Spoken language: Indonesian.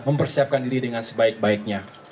mempersiapkan diri dengan sebaik baiknya